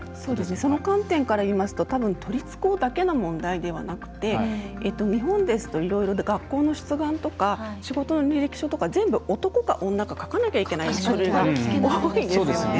その観点から言うとたぶん、都立高だけの問題ではなくて日本ですといろいろ学校の出願とか仕事の履歴書とか全部、男か女か書かなきゃいけない書類が多いですよね。